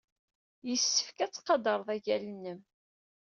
Yessefk ad tqadred agal-nnem.